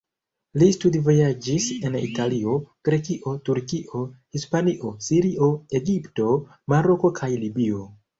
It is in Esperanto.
Li studvojaĝis en Italio, Grekio, Turkio, Hispanio, Sirio, Egipto, Maroko kaj Libio.